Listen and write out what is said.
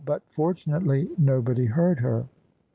But fortunately nobody heard her.